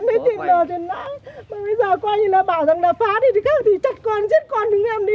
bây giờ qua như là bảo là phá thì chặt con chết con đứng em đi